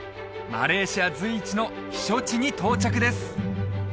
マレーシア随一の避暑地に到着です